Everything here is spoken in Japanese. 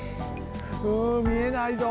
うんみえないぞ！